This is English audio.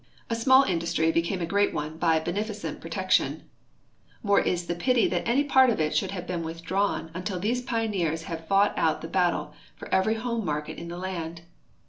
A small industry became a great one by ]>eneficent i)rotection. More is the ])ity thatany ]>art of itsbould have been withdrawn until these pioneers had fought out the battle for every home market in the land.